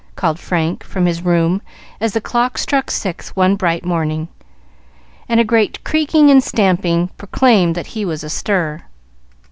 called Frank from his room as the clock struck six one bright morning, and a great creaking and stamping proclaimed that he was astir.